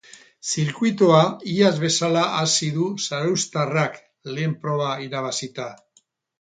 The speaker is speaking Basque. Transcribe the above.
Zirkuitua iaz bezala hasi du zarauztarrak, lehen proba irabazita.